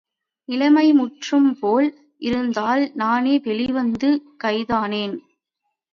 நிலைமை முற்றும்போல் இருந்ததால் நானே வெளிவந்து கைதானேன்.